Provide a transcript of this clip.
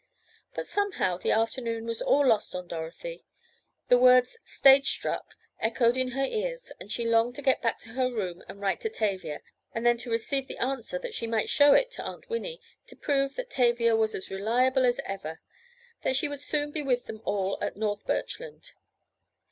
But, somehow, the afternoon was all lost on Dorothy. Those words "stage struck" echoed in her ears and she longed to get back to her room and write to Tavia and then to receive the answer that she might show it to Aunt Winnie, to prove that Tavia was as reliable as ever—that she would soon be with them all at North Birchland.